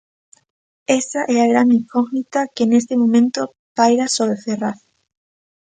Esa é a grande incógnita que neste momento paira sobre Ferraz.